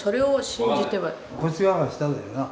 こっち側が下だよな。